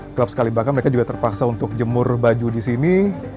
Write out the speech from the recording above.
gelap sekali bahkan mereka juga terpaksa untuk jemur baju di sini